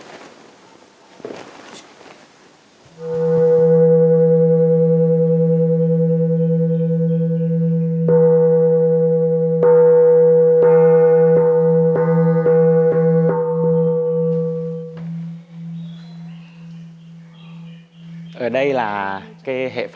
và cái ban thờ